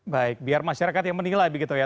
baik biar masyarakat yang menilai begitu ya